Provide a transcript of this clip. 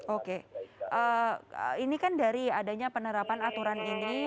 oke ini kan dari adanya penerapan aturan ini